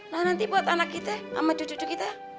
nah nanti buat anak kita sama cucu cucu kita